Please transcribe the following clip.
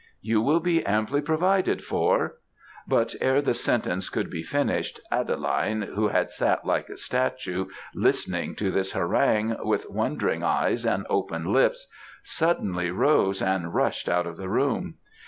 You will be amply provided for ' but ere the sentence could be finished, Adeline, who had sat like a statue, listening to this harangue, with wondering eyes and open lips, suddenly rose and rushed out of the room.